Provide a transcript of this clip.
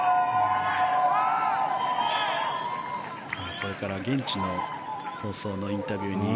これから現地の放送のインタビューに。